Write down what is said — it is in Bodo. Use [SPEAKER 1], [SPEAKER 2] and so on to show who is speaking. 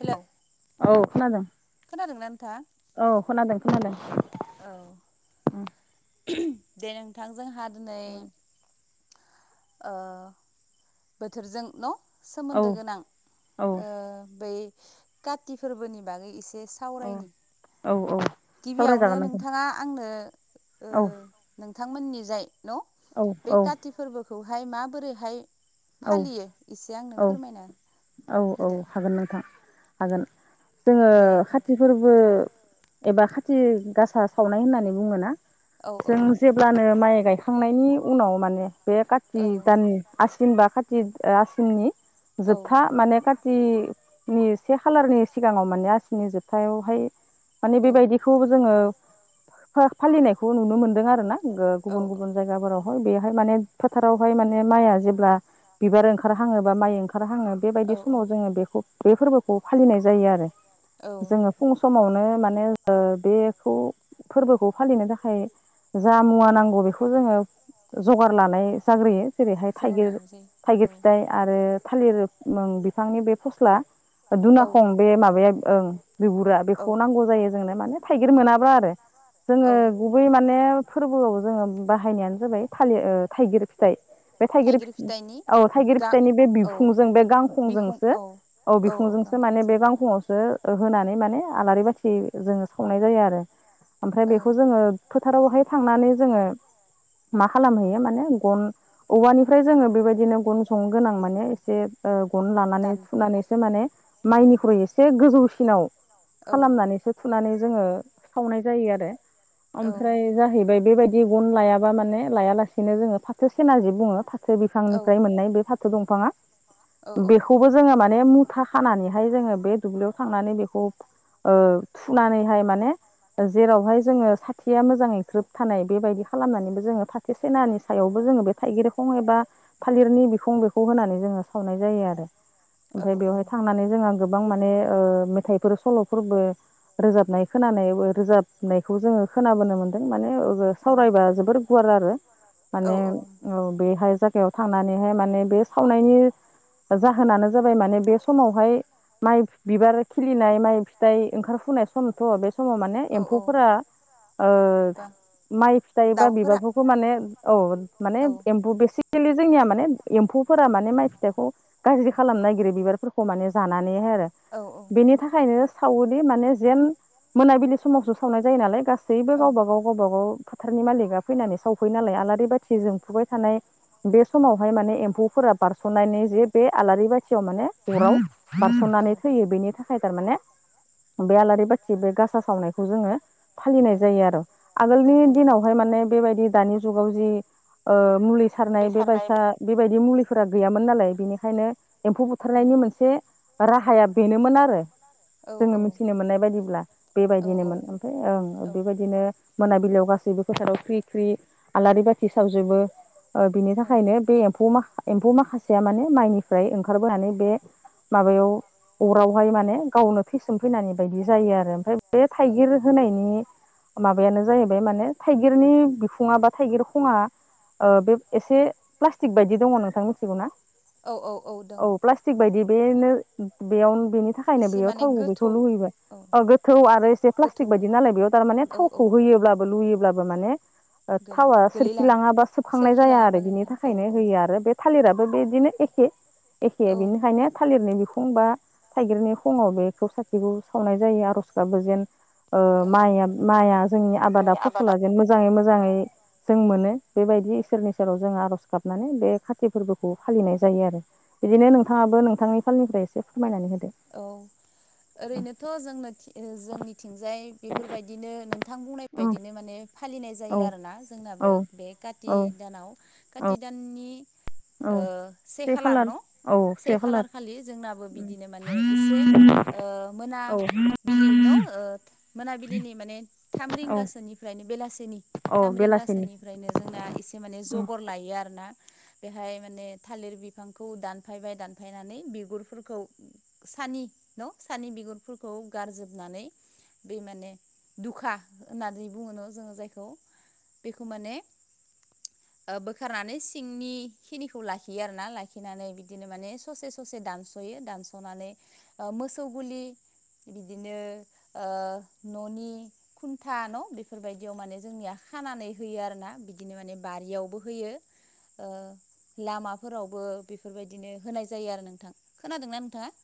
[SPEAKER 1] हेलौ।
[SPEAKER 2] औ खोनादों।
[SPEAKER 1] खोनादोंना नोंथाङा
[SPEAKER 2] औ खोनादों खोनादों।
[SPEAKER 1] औ
[SPEAKER 2] उम।
[SPEAKER 1] दे नोंथां जोंहा दिनै ओ बोथोरजों न'
[SPEAKER 2] औ
[SPEAKER 1] सोमोन्दो गोनां ओ बै काति फोरबोनि बागै एसे
[SPEAKER 2] औ
[SPEAKER 1] सावरायनि।
[SPEAKER 2] औ औ
[SPEAKER 1] गिबियावनो
[SPEAKER 2] सावरायजागोन नोंथां
[SPEAKER 1] नोंथाङा आंनो ओ
[SPEAKER 2] औ
[SPEAKER 1] नोंथांमोननि जाय न
[SPEAKER 2] औ औ
[SPEAKER 1] बे कति फोरबोखौहाय माबोरै हाय
[SPEAKER 2] औ औ औ औ
[SPEAKER 1] होदो
[SPEAKER 2] हागोन नोंथां। हागोन जोङो
[SPEAKER 1] दे
[SPEAKER 2] काति
[SPEAKER 1] नोंथां
[SPEAKER 2] फोरबो एबा खाथि गासा सावनाय होननानै बुङोना,
[SPEAKER 1] औ औ
[SPEAKER 2] जों जेब्लानो माइ गायखांनायनि उनाव माने बे काति
[SPEAKER 1] औ
[SPEAKER 2] दाननि आसिन बा थि आसिननि
[SPEAKER 1] औ
[SPEAKER 2] जोबथा माने खाथिनि से खालारनि सिगाङाव माने आसिनि जोबथायावहाय माने बेबायदिखौ जोङो फालिनायखौ नुनो मोनदों आरोना ओ
[SPEAKER 1] औ
[SPEAKER 2] गुबुन गुबुन जायगाफोरावहाय बेहाय माने फोथारावहाय माने माइआ जेब्ला बिबार ओंखारहांङो बा माइ ओंखारहांङो बेबायदि
[SPEAKER 1] औ
[SPEAKER 2] समाव जोङो बेखौ बे फोरबोखौ फालिनाय जायो आरो।
[SPEAKER 1] औ
[SPEAKER 2] जोङो फुं समावनो माने ओ बेखौ फोरबोखौ फालिनो थाखाय जा मुवा नांगौ बेखौ जोङो जगार लानाय जाग्रोयो। जेरैहाय
[SPEAKER 1] जगार
[SPEAKER 2] थाइगिर
[SPEAKER 1] लानाय
[SPEAKER 2] थाइगिर
[SPEAKER 1] जायो
[SPEAKER 2] फिथाइ आरो थालिर ओम बिफांनि बे फस्ला
[SPEAKER 1] औ
[SPEAKER 2] दुनाखं बे माबाया ओं बिगुरा
[SPEAKER 1] औ
[SPEAKER 2] बेखौ नांगौ जायो जोंनो माने थाइगिर मोनाबा आरो जोङो
[SPEAKER 1] औ
[SPEAKER 2] गुबै माने फोरबोआव जोङो बाहायनायानो जाबाय थालिर ओ थाइगिर फिथाइ। बे थाइगिर औ थाइगिर
[SPEAKER 1] गा
[SPEAKER 2] फिथाइनि बे
[SPEAKER 1] औ
[SPEAKER 2] बिफुंजों बे
[SPEAKER 1] बिखं
[SPEAKER 2] गांखंजोंसो
[SPEAKER 1] औ
[SPEAKER 2] औ बिखुंजोंसो माने बे गांखङावसो ओ होनानै माने आलारि बाथि जोङो सावनाय जायो आरो। ओमफ्राय
[SPEAKER 1] औ
[SPEAKER 2] बेखौ जोङो फो थारावहाय थांनानै जोङो मा खालामहैयो माने गन औवानिफ्राय जोङो बेबायदि बिदिनो गन जंनो गोनां माने एसे ओ गन लानानै
[SPEAKER 1] दान
[SPEAKER 2] थुनानैसो माने
[SPEAKER 1] औ
[SPEAKER 2] माइनिख्रुइ एसे गोजौसिनाव
[SPEAKER 1] औ
[SPEAKER 2] खालामनानैसो थुनानै जोङो सावनाय जायो आरो। ओमफ्राय जाहैबाय बेबायदि दि गन लायाबा माने लायालासेनो जोङो फाथो सेना जे बुङो फाथो
[SPEAKER 1] औ
[SPEAKER 2] बिफांनिफ्राय मोननाय। बे फाथो बिफाङा
[SPEAKER 1] औ
[SPEAKER 2] बेखौबो जोङो माने ने मुथा खानानैहाय जोङो बे दुब्लियाव थांनानै बेखौ ओ थुनानैहाय माने जेरावहाय जोङो साथिया मोजाङै ग्रोब थानाय बेबायदि खालामनानैबो जोङो फाथो सेनानि सायावबो जोङो बे थाइगिरखं एबा थालिरनि बिखुं बेखौ होनानै जोङो सावनाय जायो आरो
[SPEAKER 1] औ
[SPEAKER 2] ओमफ्राय बेवहाय थांनानै जोंहा गो बां माने मेथाइफोर सल'फोरबो रोजाबनाय खोनानायबो रोजाबनायखौ जोङो खोनाबोनो मोनदों। माने बो सावरायबा जोबोर गुवार आरो।
[SPEAKER 1] औ
[SPEAKER 2] माने औ बेहाय जा जायगायाव थांनानैहाय माने बे सावनायनि जाहोनानो जाबाय माने बे समावहाय माइ बिबार खिलिनाय माइ फिथाइ ओंखार फुनाय समथ' बे समाव माने
[SPEAKER 1] औ औ
[SPEAKER 2] एम्फौफोरा ओ
[SPEAKER 1] बा
[SPEAKER 2] माइ फिथाइ बा
[SPEAKER 1] दाउफोरा
[SPEAKER 2] बिबारफोरखौ माने औ माने
[SPEAKER 1] औ
[SPEAKER 2] एम्फु बेसे खिलि जोंनिया माने एम्फौफोरा माने माइ फिथाइखौ गाज्रि खालामनो नागिरो बिबारफोरखौ माने जानानै नैहाय आरो
[SPEAKER 1] औ
[SPEAKER 2] बेनि थाखायनो सावोदि माने जेन मोनाबिलि समावसो सावनाय जायो नालाय गासैबो
[SPEAKER 1] औ
[SPEAKER 2] गावबा गाव गावबा गाव फोथारनि मालिका फैनानै सावफैयो नालाय आलारि बाथि जोंफुबाय थानाय बे समावहाय माने एम्फौफोरा बारस'नायनि जे बे आलारि बाथियाव माने अराव
[SPEAKER 1] औ
[SPEAKER 2] बारस'नानै थैयो बेनि थाखाय थारमाने बे आलारि बाथि बे गासा सावनायखौ जोङो फालिनाय जायो आरो। आगोलनि दिनावहाय माने बेबादि दानि जुगाव जि ओ मुलि सारनाय बे बायसा बेबादि मुलि फोर गैयामोन नालाय बेनिखायनो एम्फौ बुथारनायनि मोनसे राहाया बेनोमोन आरो जोङो मिथिनो मोननाय बायदिब्ला। बेबायदिनोमोन ओमफ्राय ओं ओ बेबायदिनो मोनाबिलियाव गासैबो फोथाराव ख्रि ख्रि आलारि बाथि सावजोबो। ओ बिनि थाखायनो बे एम्फौ माखा एम्फौ माखासेया माने माइनिफ्राय ओंखारबोनानै बे माबायाव अरावहाय माने गावनो थैसोम फैनानै बायदि जायो आरो ओमफ्राय बे थाइगिर होनायनि माबायानो जाहैबाय माने थाइगिरनि बिखुङा बा थाइगिर खङा ओ बे एसे प्लास्टिक बायदि दङ' नोंथां मिथिगौ ना?
[SPEAKER 1] औ औ औ दं।
[SPEAKER 2] प्लास्टिक बायदि बेनो बेयाव बेनि थाखायनो
[SPEAKER 1] एसे
[SPEAKER 2] बेयाव
[SPEAKER 1] माने
[SPEAKER 2] थाव गुबैखौ
[SPEAKER 1] गोथौ
[SPEAKER 2] लुुयोमोन।
[SPEAKER 1] औ
[SPEAKER 2] ओ गोथौ आरो एसे प्लास्टिक
[SPEAKER 1] गोथौबो
[SPEAKER 2] बायदि नालाय बेयाव थारमाने
[SPEAKER 1] औ औ
[SPEAKER 2] थावखौ होयोब्लाबो लुयोब्लाबो बो माने
[SPEAKER 1] गोलै
[SPEAKER 2] थावा सोरखि
[SPEAKER 1] गोलैलाङा
[SPEAKER 2] लाङाबा सोबखांनाय
[SPEAKER 1] सोरखि
[SPEAKER 2] जाया
[SPEAKER 1] लाङाबा
[SPEAKER 2] आरो बिनि
[SPEAKER 1] गोलैलाङा औ
[SPEAKER 2] थाखायनो
[SPEAKER 1] औ
[SPEAKER 2] होयो आरो। बे थालिर राबो बिदिनो एखे एखे
[SPEAKER 1] औ
[SPEAKER 2] बेनिखायनो थालिरनि बिखुं खुं बा थाइगिरनि खङाव बेखौ साथिखौ सावनाय जायो आर'ज गाबो जेन ओ
[SPEAKER 1] औ
[SPEAKER 2] मायआ माइआ जोंनि आबादा फसला जेन मोजाङै मोजाङै जों मोनो। बेबायदि इसोरनि सेराव जों आर'ज गाबनानै बे खाति फोरबोखौ फालिनाय जायो आरो बिदिनो
[SPEAKER 1] औ
[SPEAKER 2] नोंथाङाबो नोंथांनि फ्राय एसे फोरमायनानै होदो
[SPEAKER 1] औ ओरैनोथ' जोंनो ओ जोंनिथिंजाय बेफोरबायदिनो थां बुंनाय
[SPEAKER 2] औ
[SPEAKER 1] बायदिनो माने फालिनाय जायो आरो ना जोंनाबो
[SPEAKER 2] औ
[SPEAKER 1] बे कति
[SPEAKER 2] औ
[SPEAKER 1] दानाव खाथि दाननि
[SPEAKER 2] औ
[SPEAKER 1] ओ से खालार न' से खालार खालि जोंनाबो बिदिनो माने एसे
[SPEAKER 2] खालार
[SPEAKER 1] ओ मोना
[SPEAKER 2] औ
[SPEAKER 1] बिलि न' ओ मोनाबिलिनि माने थाम
[SPEAKER 2] औ
[SPEAKER 1] रिंगासोनिफ्रायनो बेलासेनि
[SPEAKER 2] औ
[SPEAKER 1] थाम रिं
[SPEAKER 2] बेलासिनि
[SPEAKER 1] गासैनिफ्रायनो जोंना एसे माने जगर लायो आरो ना बेहाय माने थालिर बिफांखौ दानफायबाय दानफायनानै बिगुरफोरखौ सान नि न' सानि बिगुरफोरखौ गारजोबनानै बे माने दुखा होननानै बुङोनो जोङो जायखौ बेखौ माने ओ बोखारनानै सिंनि खिनिखौ लाखियो आरो ना लाखिनानै बिदिनो माने ससे-ससे दानस' यो दासनानै ओ मोसौ गुलि बिदिनो ओ न'नि खुन्था न' बेफोरबायदियाव माने जोंनिया खानानै होयो आरो ना बिदिनो माने बारियावबो होयो ओ लामाफोरावबो बेफोरबायदिनो होनाय जायो आरो नोंथां खोनादोंना नोंथाङा